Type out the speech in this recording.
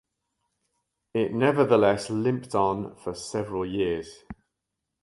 It nevertheless limped on for several years.